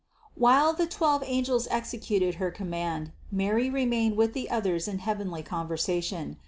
While the twelve angels executed her command, Mary remained with the others in heavenly conversa tion.